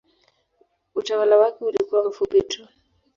Utawala wake ulikuwa mfupi tu.